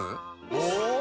お！